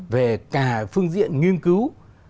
về cả phương diện nghiên cứu